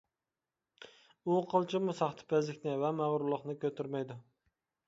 ئۇ قىلچىمۇ ساختىپەزلىكنى ۋە مەغرۇرلۇقنى كۆتۈرمەيدۇ.